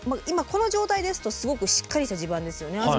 今この状態ですとすごくしっかりした地盤ですよね。